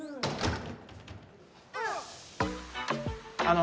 あの。